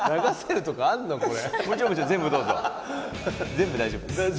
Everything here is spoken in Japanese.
全部大丈夫です。